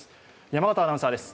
山形アナウンサーです。